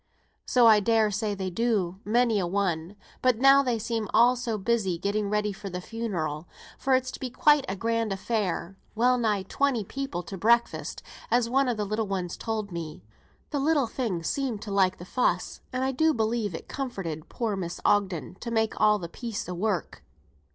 "So I dare say they do, many a one, but now they seem all so busy getting ready for the funeral; for it's to be quite a grand affair, well nigh twenty people to breakfast, as one of the little ones told me; the little thing seemed to like the fuss, and I do believe it comforted poor Mrs. Ogden to make all the piece o' work.